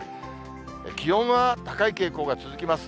気温は高い傾向が続きます。